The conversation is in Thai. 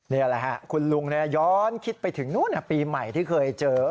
นี่แหละฮะคุณลุงย้อนคิดไปถึงนู้นปีใหม่ที่เคยเจอ